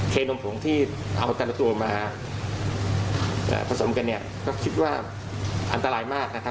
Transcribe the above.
เคนมผงที่เอาแต่ละตัวมาผสมกันก็คิดว่าอันตรายมาก